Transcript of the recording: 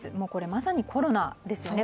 まさにコロナですよね。